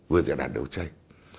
vừa là dự đoàn đấu tranh